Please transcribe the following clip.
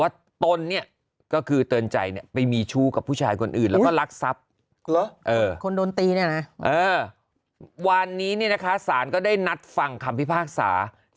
ว่าตนเนี่ยก็คือเตือนใจไปมีชู้กับผู้ชายคนอื่นแล้วล่ะแล้วคนโดนตีเนี่ยนะว่านี้นะคะส่านก็ได้นัดฟังคำพิพาทศาสน์ซึ่งทั้ง